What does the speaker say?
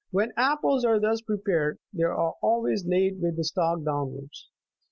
"4* When apples are thus prepared, they are always laid with the stalk downwards.